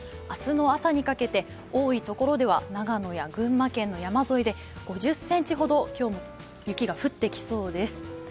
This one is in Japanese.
明日の朝にかけて多い所では長野や群馬県の山沿いで５０ｃｍほど今日も雪も降ってきそうです。